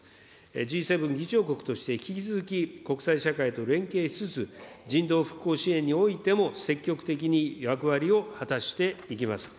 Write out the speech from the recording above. Ｇ７議長国として、引き続き国際社会と連携しつつ、人道復興支援においても積極的に役割を果たしていきます。